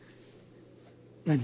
何？